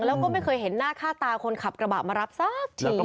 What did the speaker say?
แล้วก็ไม่เคยเห็นหน้าค่าตาคนขับกระบะมารับสักที